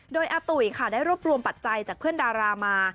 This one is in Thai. โดยอาตุ๋ยค่ะได้รวบรวมปัจจัยจากเพื่อนดารามา